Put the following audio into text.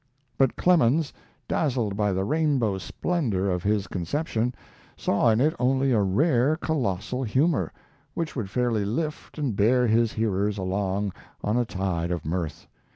But Clemens, dazzled by the rainbow splendor of his conception, saw in it only a rare colossal humor, which would fairly lift and bear his hearers along on a tide of mirth.